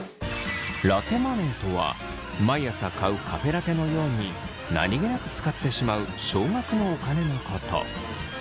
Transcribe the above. ラテマネーとは毎朝買うカフェラテのように何気なく使ってしまう少額のお金のこと。